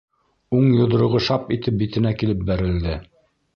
Уң йоҙроғо шап итеп битенә килеп бәрелде.